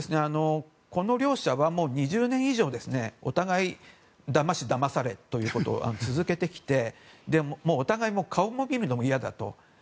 この両者は２０年以上お互いだましだまされということを続けてきてお互いに顔を見るのも嫌だと。